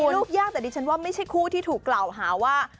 ลูกยากแต่ดิฉันว่าไม่ใช่คู่ที่ถูกกล่าวหาว่า